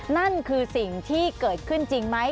นั่นคือสิ่งที่เกิดขึ้นจริงไหม